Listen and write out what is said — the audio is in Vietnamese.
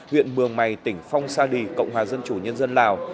huyện mường mày tỉnh phong sa đì cộng hòa dân chủ nhân dân lào